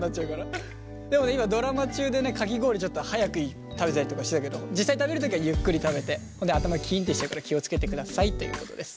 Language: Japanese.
でもね今ドラマ中でねかき氷ちょっと速く食べたりとかしてたけど実際食べる時はゆっくり食べてそれで頭キンってしちゃうから気を付けてくださいということです。